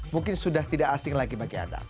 mungkin sudah tidak asing lagi bagi anda